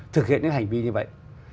thực hiện những hành vi như vậy